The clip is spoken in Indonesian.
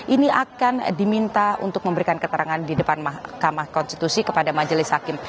ini akan diminta untuk memberikan keterangan di depan mahkamah konstitusi kepada majelis hakim